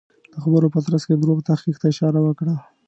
د خبرو په ترڅ کې دروغ تحقیق ته اشاره وکړه.